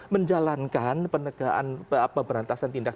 menjalankan penegaan perberantasan tindak